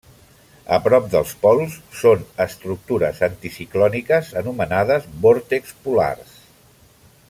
A prop dels pols són estructures anticiclòniques anomenades vòrtexs polars.